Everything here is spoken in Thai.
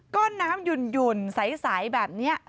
น้ำหยุ่นใสแบบนี้